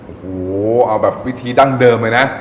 โอ้โหเอาแบบวิธีดั้งเดิมเลยนะ